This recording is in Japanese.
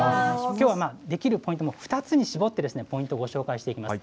きょうはできるポイントも２つに絞って、ポイントをご紹介していきます。